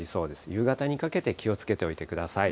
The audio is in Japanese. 夕方にかけて気をつけておいてください。